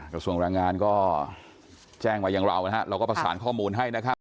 กระทรวงแรงงานก็แจ้งมาอย่างเรานะฮะเราก็ประสานข้อมูลให้นะครับ